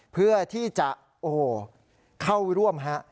เพื่อที่จะเข้าร่วมฮะ